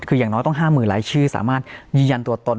คืออย่างน้อยต้อง๕๐๐๐หลายชื่อสามารถยืนยันตัวตน